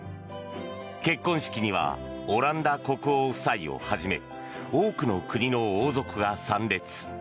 結婚式にはオランダ国王夫妻をはじめ多くの国の王族が参列。